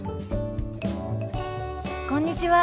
こんにちは。